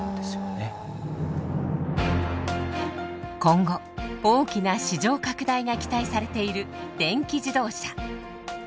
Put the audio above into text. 今後大きな市場拡大が期待されている電気自動車。